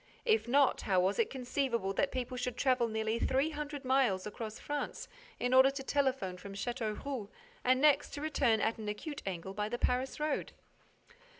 If not, how was it conceivable that people should travel nearly three hundred miles across France in order to telephone from Châteauroux and next to return, at an acute angle, by the Paris road?